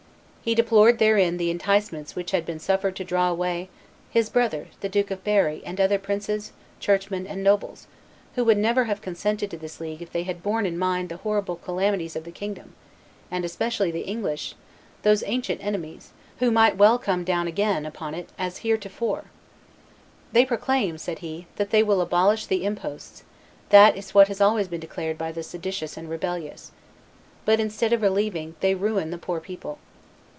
He deplored therein the enticements which had been suffered to draw away "his brother, the Duke of Berry and other princes, churchmen, and nobles, who would never have consented to this league if they had borne in mind the horrible calamities of the kingdom, and especially the English, those ancient enemies, who might well come down again upon it as heretofore .... They proclaim," said he, "that they will abolish the imposts; that is what has always been declared by the seditious and rebellious; but, instead of relieving, they ruin the poor people.